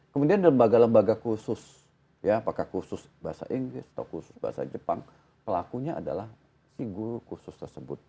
kemudian di lembaga lembaga kursus ya apakah kursus bahasa inggris atau kursus bahasa jepang pelakunya adalah guru kursus tersebut